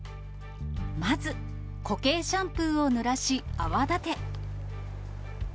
まず、固形シャンプーをぬらし、泡立て。